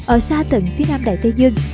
ở xa tận phía nam đại tây dương